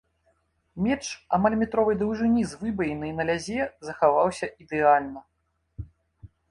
Меч амаль метровай даўжыні з выбоінай на лязе захаваўся ідэальна.